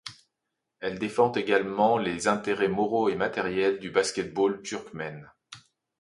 Elle défend également les intérêts moraux et matériels du basket-ball turkmène.